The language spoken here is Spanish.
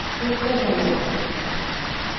Surge el romance.